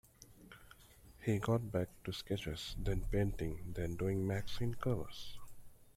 He got back to sketches, then painting, then doing magazine covers.